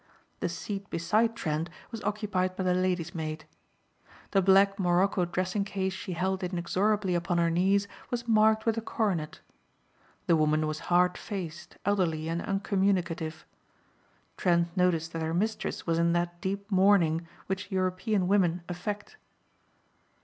The seat beside Trent was occupied by the lady's maid. The black morocco dressing case she held inexorably upon her knees was marked with a coronet. The woman was hard faced, elderly and uncommunicative. Trent noticed that her mistress was in that deep mourning which European women affect.